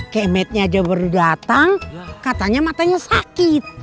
kemetnya aja baru datang katanya matanya sakit